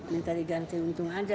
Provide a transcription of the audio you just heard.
minta diganti untung aja